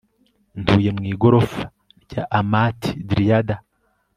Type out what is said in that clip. Ntuye mu igorofa rya Amat driada